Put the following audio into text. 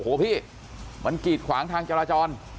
โอ้โหพี่มันกีดขวางทางจราจร